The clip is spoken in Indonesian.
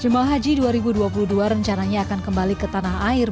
jemaah haji dua ribu dua puluh dua rencananya akan kembali ke tanah air